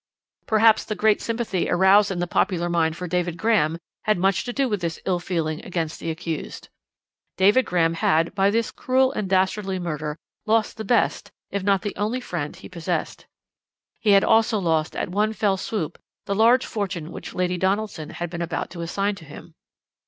"Perhaps the great sympathy aroused in the popular mind for David Graham had much to do with this ill feeling against the accused. David Graham had, by this cruel and dastardly murder, lost the best if not the only friend he possessed. He had also lost at one fell swoop the large fortune which Lady Donaldson had been about to assign to him.